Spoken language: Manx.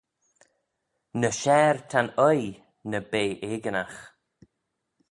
Ny share ta'n oaie na bea eginagh